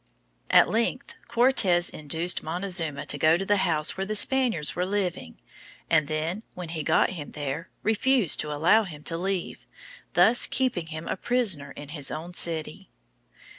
At length Cortes induced Montezuma to go to the house where the Spaniards were living, and then, when he got him there, refused to allow him to leave, thus keeping him a prisoner in his own city.